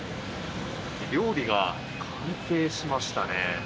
料理が完成しましたね。